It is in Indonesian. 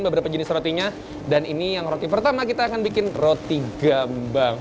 beberapa jenis rotinya dan ini yang roti pertama kita akan bikin roti gambang